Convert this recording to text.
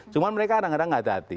cuma mereka kadang kadang gak hati hati